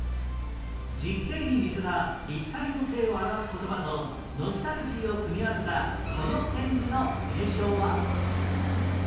実景に似せた立体模型を表す言葉とノスタルジーを組み合わせたこの展示の名称は？